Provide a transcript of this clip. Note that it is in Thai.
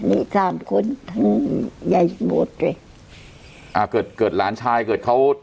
มีสามคนทั้งยายบวชเลยอ่าเกิดเกิดหลานชายเกิดเขา